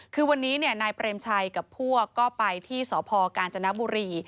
คือวันนี้นายเปรมชัยกับพวกก็ไปที่สพกาญจนบุรี